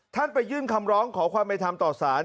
ท่านไปยื่นคำร้องขอความใบทำต่อสาร